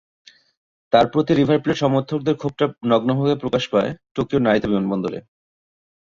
তাঁর প্রতি River Plate সমর্থকদের ক্ষোভটা নগ্নভাবে প্রকাশ পায় টোকিওর নারিতা বিমানবন্দরে।